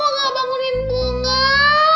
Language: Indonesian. kok gak bangunin bunga